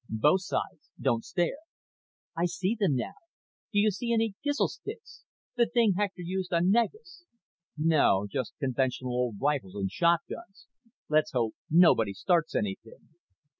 "Both sides. Don't stare." "I see them now. Do you see any Gizl sticks? The thing Hector used on Negus?" "No. Just conventional old rifles and shotguns. Let's hope nobody starts anything."